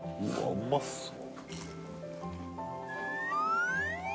うまそう